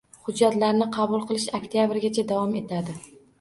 Hujjatlarni qabul qilish oktyabrgacha davom etadi.